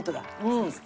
そうですね。